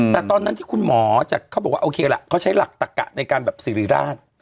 แต่ตอนนั้นที่คุณหมอจากเขาบอกว่าโอเคล่ะเขาใช้หลักตักกะในการแบบสิริราช